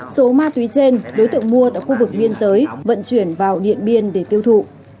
số ma túy trên đối tượng mua tại khu vực biên giới vận chuyển vào điện biên để tiêu thụ